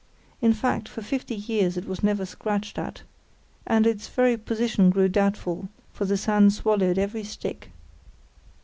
In fact, for fifty years it was never scratched at, and its very position grew doubtful, for the sand swallowed every stick.